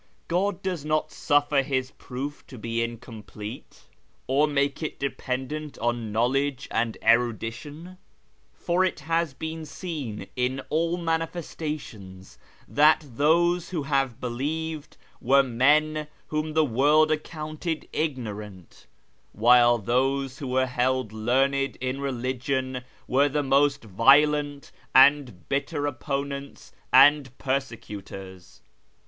God does not suffer His proof to be incomplete, or make it dependent on knowledge and erudition, for it has been seen in all manifestations that those who have believed were men whom the world accounted ignorant, while those who were held learned in religion were the most violent and bitter opponents and persecutors.